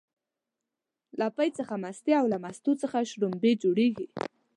له پی څخه مستې او له مستو څخه شلومبې جوړيږي